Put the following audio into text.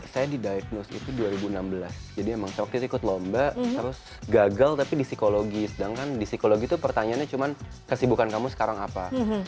saya di diagnose itu dua ribu enam belas jadi emang saya waktu itu ikut lomba terus gagal tapi di psikologi sedangkan di psikologi itu pertanyaannya cuma kesibukan kamu sekarang apa